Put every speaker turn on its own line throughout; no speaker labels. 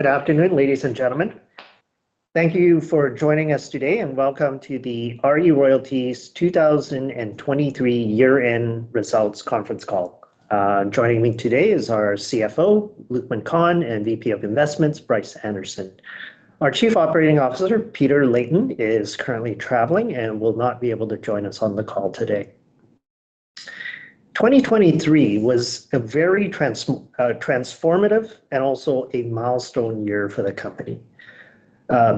Good afternoon, ladies, and gentlemen. Thank you for joining us today, and welcome to the RE Royalties 2023 Year-End Results Conference Call. Joining me today is our CFO, Luqman Khan, and VP of Investments, Bryce Anderson. Our Chief Operating Officer, Peter Leighton, is currently traveling and will not be able to join us on the call today. 2023 was a very transformative and also a milestone year for the company.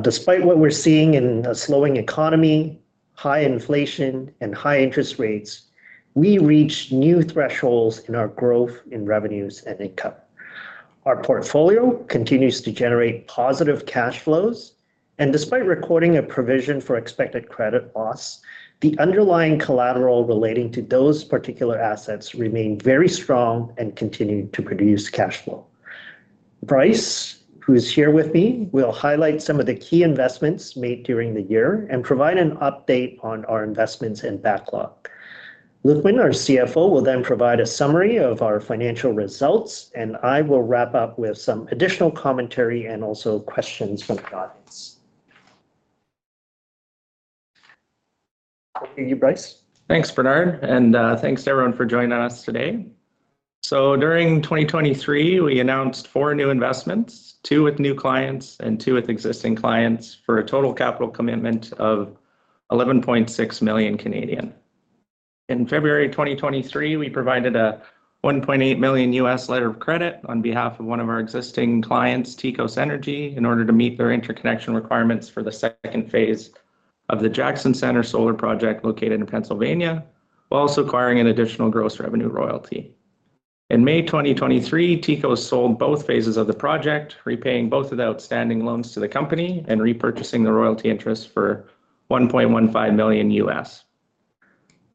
Despite what we're seeing in a slowing economy, high inflation, and high interest rates, we reached new thresholds in our growth in revenues and income. Our portfolio continues to generate positive cash flows, and despite recording a provision for expected credit loss, the underlying collateral relating to those particular assets remained very strong and continued to produce cash flow. Bryce, who is here with me, will highlight some of the key investments made during the year and provide an update on our investments and backlog. Luqman, our CFO, will then provide a summary of our financial results, and I will wrap up with some additional commentary and also questions from the audience. Thank you, Bryce.
Thanks, Bernard, and thanks to everyone for joining us today. So during 2023, we announced four new investments, two with new clients and two with existing clients, for a total capital commitment of 11.6 million. In February 2023, we provided a $1.8 million letter of credit on behalf of one of our existing clients, Teichos Energy, in order to meet their interconnection requirements for the second phase of the Jackson Center Solar Project located in Pennsylvania, while also acquiring an additional gross revenue royalty. In May 2023, Teichos sold both phases of the project, repaying both of the outstanding loans to the company and repurchasing the royalty interest for $1.15 million.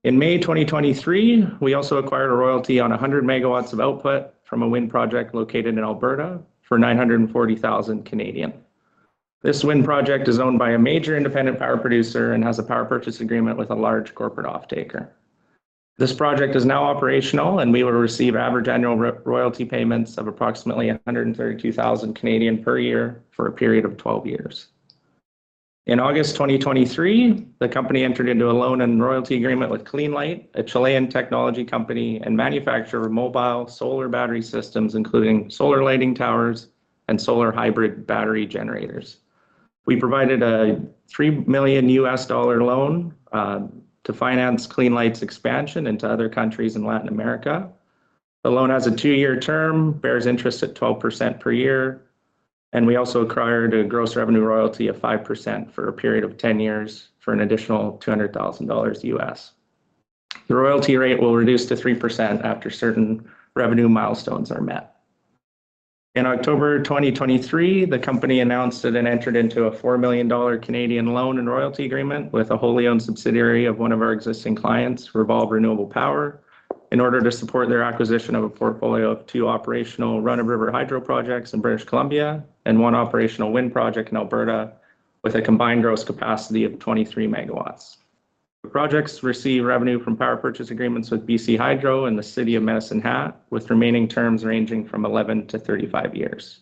In May 2023, we also acquired a royalty on 100 MW of output from a wind project located in Alberta for 940,000. This wind project is owned by a major independent power producer and has a power purchase agreement with a large corporate offtaker. This project is now operational, and we will receive average annual royalty payments of approximately 132,000 per year for a period of 12 years. In August 2023, the company entered into a loan and royalty agreement with CleanLight, a Chilean technology company and manufacturer of mobile solar battery systems, including solar lighting towers and solar hybrid battery generators. We provided a $3 million loan to finance CleanLight's expansion into other countries in Latin America. The loan has a two-year term, bears interest at 12% per year, and we also acquired a gross revenue royalty of 5% for a period of 10 years for an additional $200,000. The royalty rate will reduce to 3% after certain revenue milestones are met. In October 2023, the company announced it had entered into a 4 million Canadian dollars loan and royalty agreement with a wholly owned subsidiary of one of our existing clients, Revolve Renewable Power, in order to support their acquisition of a portfolio of two operational run-of-river hydro projects in British Columbia and one operational wind project in Alberta, with a combined gross capacity of 23 MW. The projects receive revenue from power purchase agreements with BC Hydro and the City of Medicine Hat, with remaining terms ranging from 11-35 years.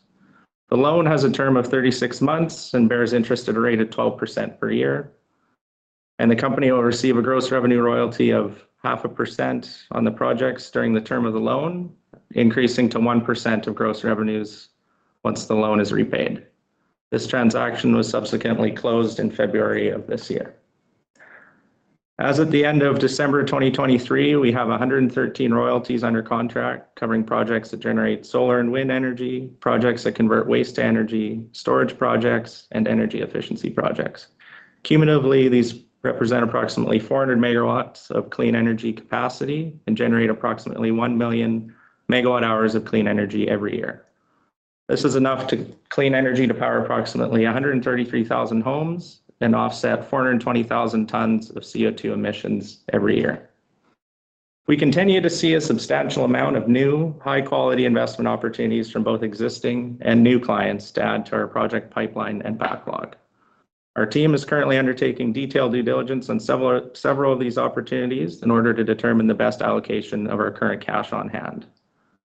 The loan has a term of 36 months and bears interest at a rate of 12% per year, and the company will receive a gross revenue royalty of 0.5% on the projects during the term of the loan, increasing to 1% of gross revenues once the loan is repaid. This transaction was subsequently closed in February of this year. As at the end of December 2023, we have 113 royalties under contract, covering projects that generate solar and wind energy, projects that convert waste to energy, storage projects, and energy efficiency projects. Cumulatively, these represent approximately 400 MW of clean energy capacity and generate approximately 1 million MWh of clean energy every year. This is enough clean energy to power approximately 133,000 homes and offset 420,000 tons of CO2 emissions every year. We continue to see a substantial amount of new, high-quality investment opportunities from both existing and new clients to add to our project pipeline and backlog. Our team is currently undertaking detailed due diligence on several of these opportunities in order to determine the best allocation of our current cash on hand.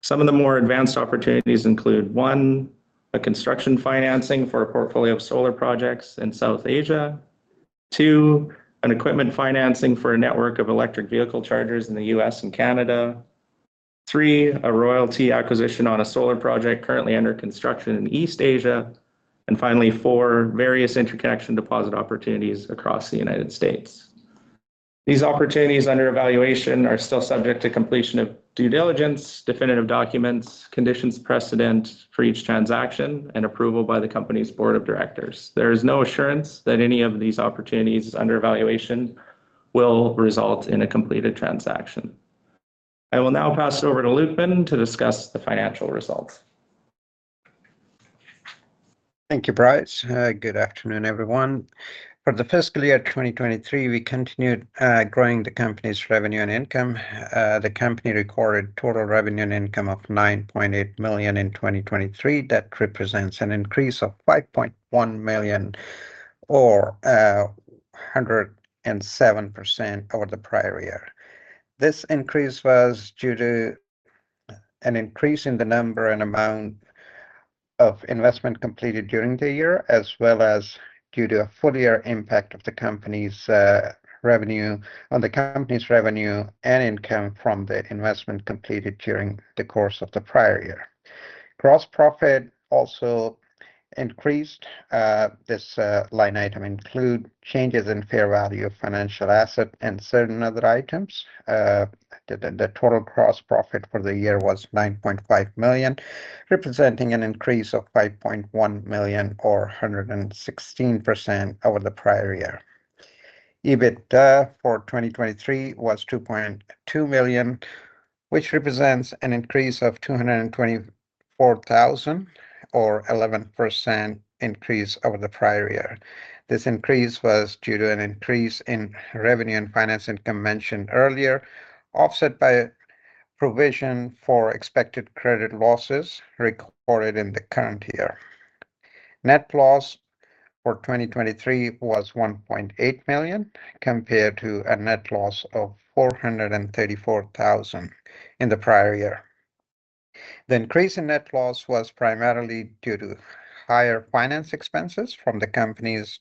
Some of the more advanced opportunities include One, a construction financing for a portfolio of solar projects in South Asia. Two, an equipment financing for a network of electric vehicle chargers in the U.S. and Canada. Three, a royalty acquisition on a solar project currently under construction in East Asia. And finally, Four, various interconnection deposit opportunities across the U.S. These opportunities under evaluation are still subject to completion of due diligence, definitive documents, conditions precedent for each transaction, and approval by the company's board of directors. There is no assurance that any of these opportunities under evaluation will result in a completed transaction. I will now pass it over to Luqman to discuss the financial results.
Thank you, Bryce. Good afternoon, everyone. For the fiscal year 2023, we continued growing the company's revenue and income. The company recorded total revenue and income of 9.8 million in 2023. That represents an increase of 5.1 million or 107% over the prior year. This increase was due to an increase in the number and amount of investment completed during the year, as well as due to a full year impact of the company's on the company's revenue and income from the investment completed during the course of the prior year. Gross profit also increased. This line item includes changes in fair value of financial assets and certain other items. The total gross profit for the year was 9.5 million, representing an increase of 5.1 million, or 116% over the prior year. EBITDA for 2023 was 2.2 million, which represents an increase of 224,000 or 11% increase over the prior year. This increase was due to an increase in revenue and finance income mentioned earlier, offset by a provision for expected credit losses recorded in the current year. Net loss for 2023 was 1.8 million, compared to a net loss of 434,000 in the prior year. The increase in net loss was primarily due to higher finance expenses from the company's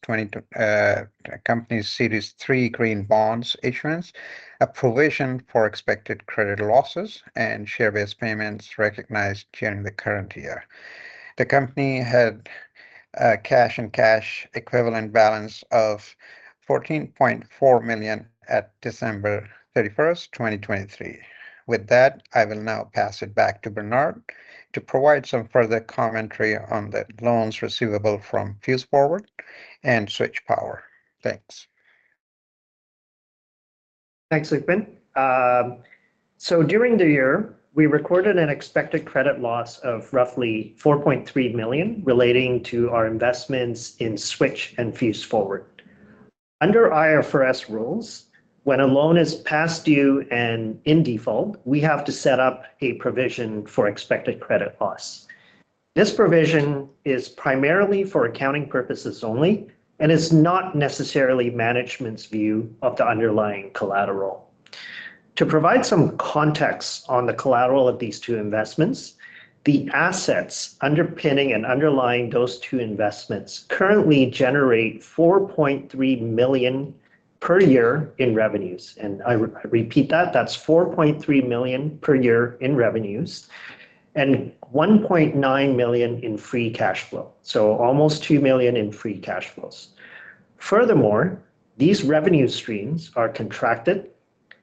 Series Three Green Bonds issuance, a provision for expected credit losses, and share-based payments recognized during the current year. The company had a cash and cash-equivalent balance of 14.4 million at December 31, 2023. With that, I will now pass it back to Bernard to provide some further commentary on the loans receivable from FuseForward and Switch Power. Thanks.
Thanks, Luqman. So during the year, we recorded an expected credit loss of roughly 4.3 million, relating to our investments in Switch Power and FuseForward. Under IFRS rules, when a loan is past due and in default, we have to set up a provision for expected credit loss. This provision is primarily for accounting purposes only, and is not necessarily management's view of the underlying collateral. To provide some context on the collateral of these two investments, the assets underpinning and underlying those two investments currently generate 4.3 million per year in revenues, and I, I repeat that, that's 4.3 million per year in revenues and 1.9 million in free cash flow. So almost 2 million in free cash flows. Furthermore, these revenue streams are contracted,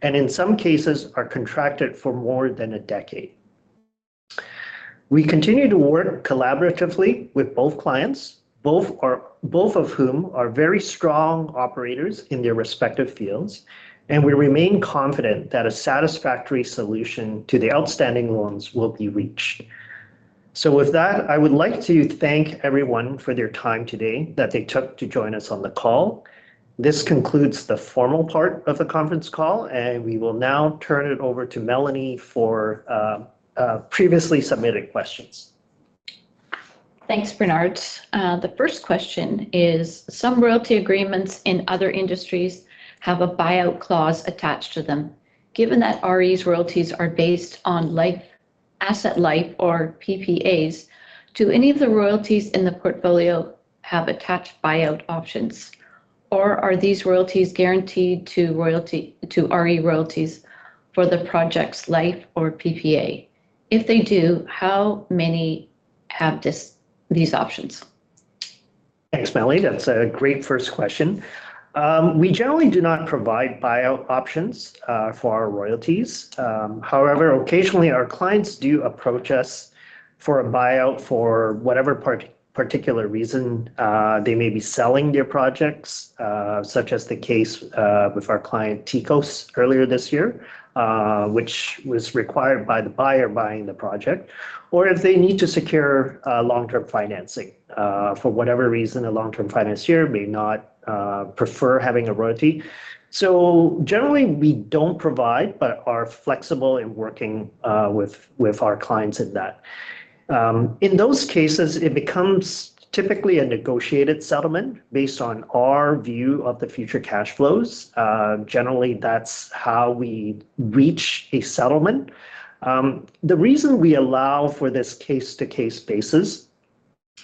and in some cases are contracted for more than a decade. We continue to work collaboratively with both clients, both of whom are very strong operators in their respective fields, and we remain confident that a satisfactory solution to the outstanding loans will be reached. So with that, I would like to thank everyone for their time today that they took to join us on the call. This concludes the formal part of the conference call, and we will now turn it over to Melanee for previously submitted questions.
Thanks, Bernard. The first question is, some royalty agreements in other industries have a buyout clause attached to them. Given that RE's royalties are based on life, asset life, or PPAs, do any of the royalties in the portfolio have attached buyout options, or are these royalties guaranteed to RE Royalties for the project's life or PPA? If they do, how many have these options?
Thanks, Melanee. That's a great first question. We generally do not provide buyout options for our royalties. However, occasionally, our clients do approach us for a buyout for whatever particular reason. They may be selling their projects, such as the case with our client, Teichos, earlier this year, which was required by the buyer buying the project, or if they need to secure long-term financing. For whatever reason, a long-term financier may not prefer having a royalty. So generally, we don't provide, but are flexible in working with our clients in that. In those cases, it becomes typically a negotiated settlement based on our view of the future cash flows. Generally, that's how we reach a settlement. The reason we allow for this case-to-case basis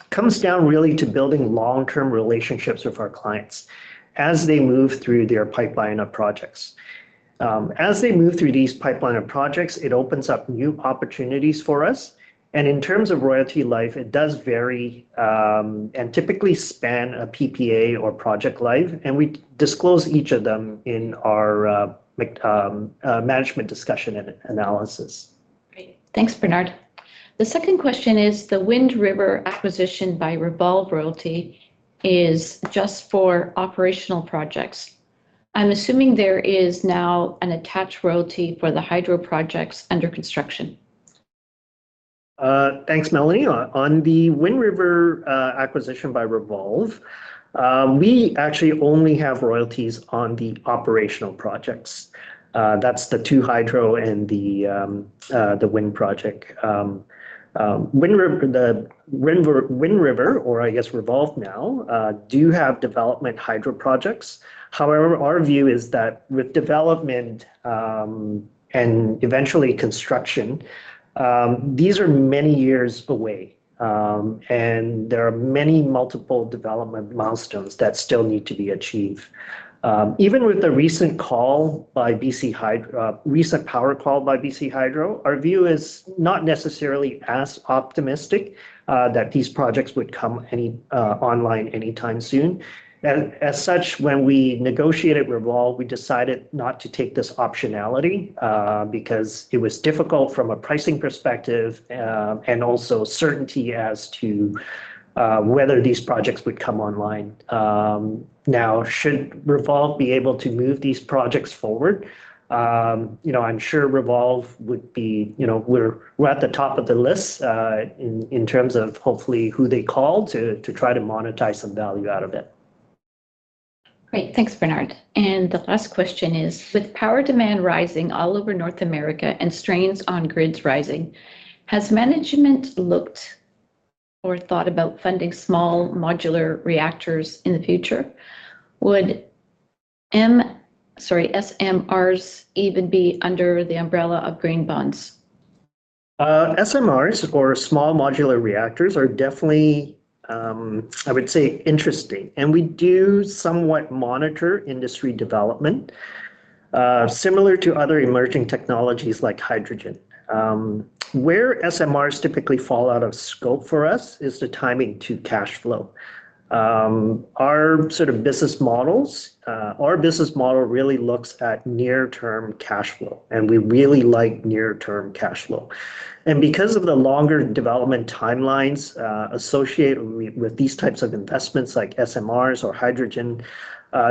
comes down really to building long-term relationships with our clients as they move through their pipeline of projects. As they move through these pipeline of projects, it opens up new opportunities for us, and in terms of royalty life, it does vary, and typically span a PPA or project life, and we disclose each of them in our, Management Discussion and Analysis.
Great. Thanks, Bernard. The second question is, the WindRiver acquisition by Revolve Renewable Power is just for operational projects. I'm assuming there is now an attached royalty for the hydro projects under construction? ...
Thanks, Melanee. On, on the WindRiver, acquisition by Revolve, we actually only have royalties on the operational projects. That's the two hydro and the, the wind project. WindRiver- the WindRiver, WindRiver, or I guess Revolve now, do have development hydro projects. However, our view is that with development, and eventually construction, these are many years away, and there are many multiple development milestones that still need to be achieved. Even with the recent call by BC Hydro, recent power call by BC Hydro, our view is not necessarily as optimistic, that these projects would come any, online anytime soon. And as such, when we negotiated Revolve, we decided not to take this optionality, because it was difficult from a pricing perspective, and also certainty as to, whether these projects would come online. Now, should Revolve be able to move these projects forward, you know, I'm sure Revolve would be... You know, we're, we're at the top of the list, in, in terms of hopefully who they call to, to try to monetize some value out of it.
Great. Thanks, Bernard. The last question is: With power demand rising all over North America and strains on grids rising, has management looked or thought about funding small modular reactors in the future? Would SMRs even be under the umbrella of Green Bonds?
SMRs or small modular reactors are definitely, I would say, interesting, and we do somewhat monitor industry development, similar to other emerging technologies like hydrogen. Where SMRs typically fall out of scope for us is the timing to cash flow. Our sort of business models, our business model really looks at near-term cash flow, and we really like near-term cash flow. And because of the longer development timelines, associated with these types of investments, like SMRs or hydrogen,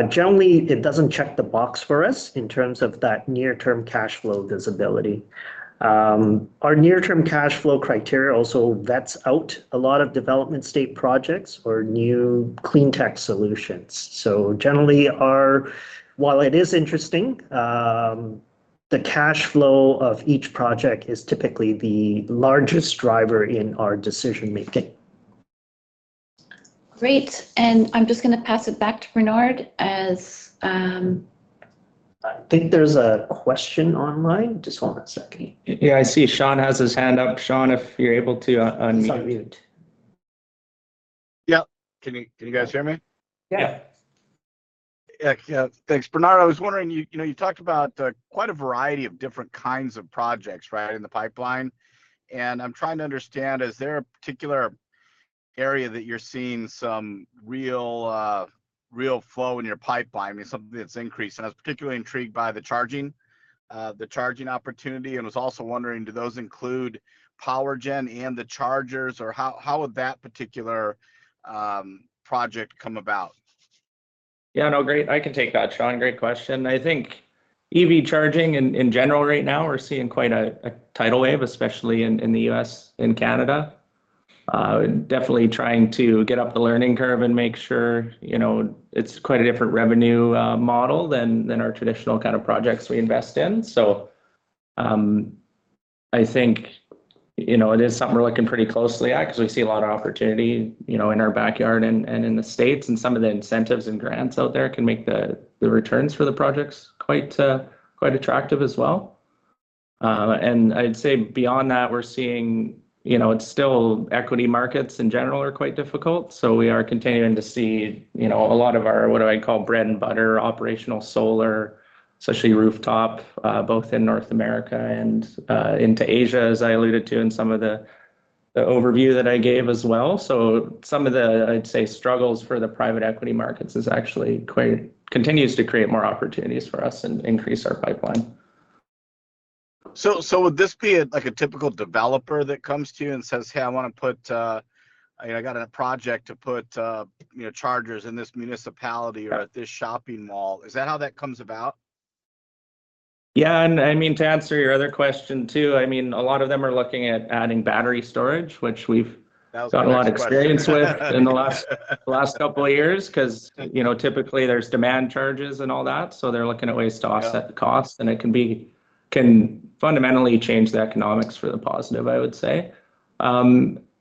generally, it doesn't check the box for us in terms of that near-term cash flow visibility. Our near-term cash flow criteria also vets out a lot of development state projects or new clean tech solutions. So generally, while it is interesting, the cash flow of each project is typically the largest driver in our decision-making.
Great. I'm just gonna pass it back to Bernard as.
I think there's a question online. Just one second.
Yeah, I see Sean has his hand up. Sean, if you're able to, unmute.
He's on mute.
Yep. Can you, can you guys hear me?
Yeah.
Yeah.
Yeah. Yeah. Thanks, Bernard. I was wondering, you know, you talked about quite a variety of different kinds of projects, right, in the pipeline, and I'm trying to understand, is there a particular area that you're seeing some real, real flow in your pipeline? I mean, something that's increased, and I was particularly intrigued by the charging, the charging opportunity, and was also wondering, do those include power gen and the chargers, or how would that particular project come about?
Yeah, no, great. I can take that, Sean. Great question. I think EV charging in general right now, we're seeing quite a tidal wave, especially in the U.S. and Canada. Definitely trying to get up the learning curve and make sure, you know, it's quite a different revenue model than our traditional kind of projects we invest in. So, I think, you know, it is something we're looking pretty closely at 'cause we see a lot of opportunity, you know, in our backyard and in the States, and some of the incentives and grants out there can make the returns for the projects quite attractive as well. And I'd say beyond that, we're seeing, you know, it's still equity markets in general are quite difficult, so we are continuing to see, you know, a lot of our, what do I call, bread and butter operational solar, especially rooftop, both in North America and into Asia, as I alluded to in some of the overview that I gave as well. So some of the, I'd say, struggles for the private equity markets is actually continues to create more opportunities for us and increase our pipeline.
Would this be, like, a typical developer that comes to you and says, "Hey, I wanna put. I got a project to put you know, chargers in this municipality or at this shopping mall?" Is that how that comes about?
Yeah, and I mean, to answer your other question, too, I mean, a lot of them are looking at adding battery storage, which we've-
That was the next question.
got a lot of experience with in the last, last couple of years 'cause, you know, typically there's demand charges and all that, so they're looking at ways to offset-
Yeah
the cost, and it can be, can fundamentally change the economics for the positive, I would say.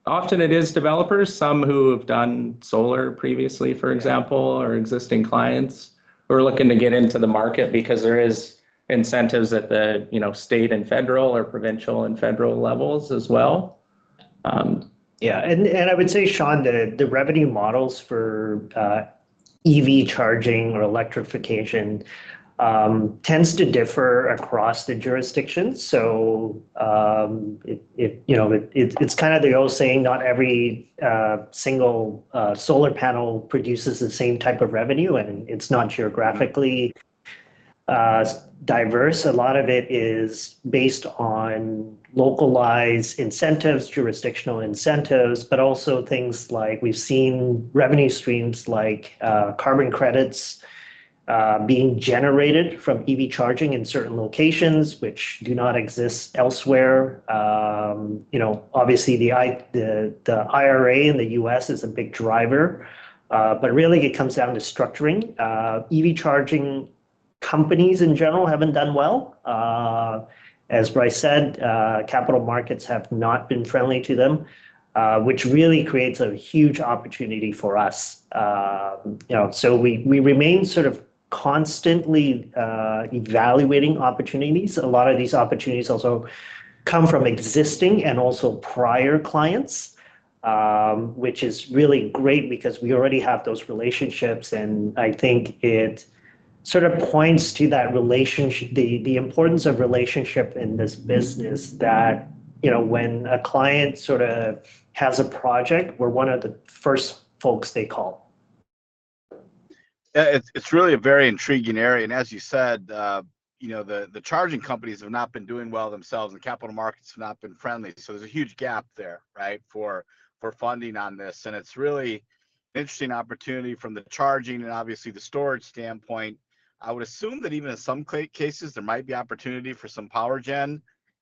Often it is developers, some who have done solar previously, for example, or existing clients who are looking to get into the market because there is incentives at the, you know, state and federal or provincial and federal levels as well.
Yeah. And I would say, Sean, that the revenue models for EV charging or electrification tends to differ across the jurisdictions. So, you know, it's kind of the old saying, not every single solar panel produces the same type of revenue, and it's not geographically diverse. A lot of it is based on localized incentives, jurisdictional incentives, but also things like we've seen revenue streams like carbon credits being generated from EV charging in certain locations which do not exist elsewhere. You know, obviously, the IRA in the U.S. is a big driver, but really it comes down to structuring. EV charging companies in general haven't done well. As Bryce said, capital markets have not been friendly to them, which really creates a huge opportunity for us. You know, so we remain sort of constantly evaluating opportunities. A lot of these opportunities also come from existing and also prior clients, which is really great because we already have those relationships, and I think it sort of points to the importance of relationship in this business, that you know, when a client sorta has a project, we're one of the first folks they call.
Yeah, it's really a very intriguing area, and as you said, you know, the charging companies have not been doing well themselves, and capital markets have not been friendly. So there's a huge gap there, right? For funding on this, and it's really interesting opportunity from the charging and obviously the storage standpoint. I would assume that even in some cases, there might be opportunity for some power gen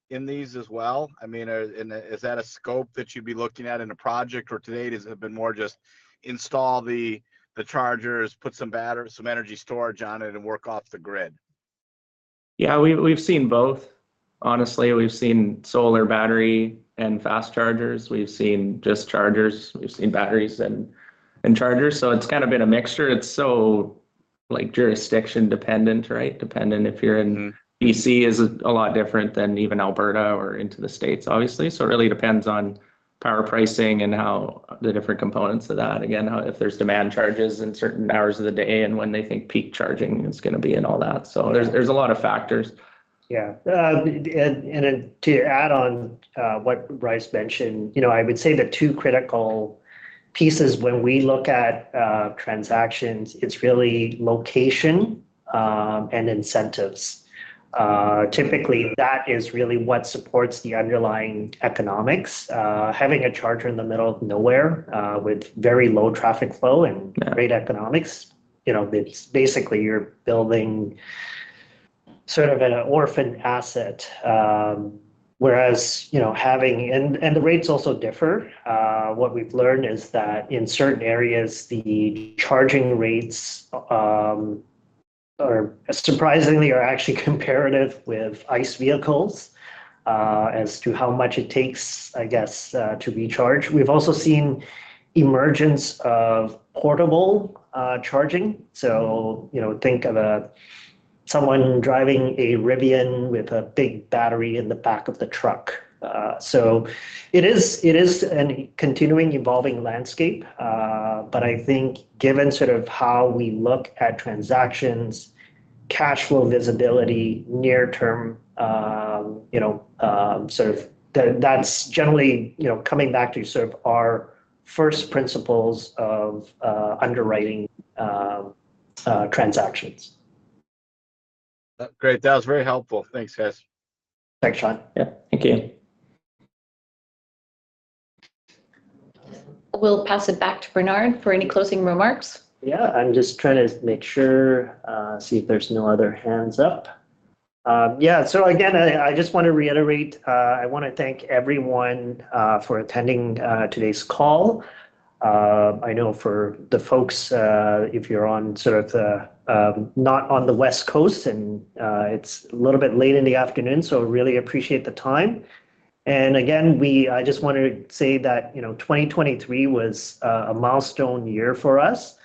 in these as well. I mean, and, is that a scope that you'd be looking at in a project, or today, does it have been more just install the chargers, put some battery storage on it, and work off the grid?
Yeah, we've seen both. Honestly, we've seen solar battery and fast chargers. We've seen just chargers. We've seen batteries and chargers. So it's kind of been a mixture. It's so, like, jurisdiction dependent, right? Dependent if you're in BC is a lot different than even Alberta or into the States, obviously. So it really depends on power pricing and how the different components of that. Again, how if there's demand charges in certain hours of the day and when they think peak charging is gonna be and all that. So there's-
Yeah....
there's a lot of factors.
Yeah. And then to add on what Bryce mentioned, you know, I would say the two critical pieces when we look at transactions, it's really location and incentives. Typically, that is really what supports the underlying economics. Having a charger in the middle of nowhere with very low traffic flow-
Yeah...
and great economics, you know, it's basically you're building sort of an orphan asset. Whereas, you know, having. And the rates also differ. What we've learned is that in certain areas, the charging rates are surprisingly actually comparative with ICE vehicles, as to how much it takes, I guess, to be charged. We've also seen emergence of portable charging, so, you know, think of someone driving a Rivian with a big battery in the back of the truck. So it is a continuing evolving landscape, but I think given sort of how we look at transactions, cash flow visibility, near term, you know, sort of the – that's generally, you know, coming back to sort of our first principles of underwriting transactions.
Great. That was very helpful. Thanks, guys.
Thanks, Sean.
Yeah. Thank you.
We'll pass it back to Bernard for any closing remarks.
Yeah. I'm just trying to make sure, see if there's no other hands up. Yeah, so again, I just want to reiterate, I wanna thank everyone for attending today's call. I know for the folks, if you're on sort of, not on the West Coast and it's a little bit late in the afternoon, so really appreciate the time. And again, I just wanted to say that, you know, 2023 was a milestone year for us,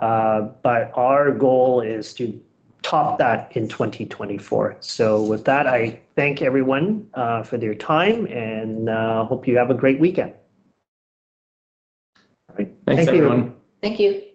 but our goal is to top that in 2024. So with that, I thank everyone for their time, and hope you have a great weekend.
All right. Thanks, everyone.
Thank you.
Thank you.